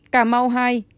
cà mau hai ca nhiễm